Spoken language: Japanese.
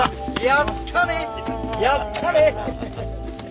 やったね！